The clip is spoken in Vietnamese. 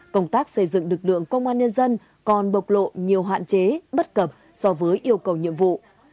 công tác xây dựng lực lượng công an nhân dân còn bộc lộ nhiều hạn chế bất cập so với yêu cầu nhiệm vụ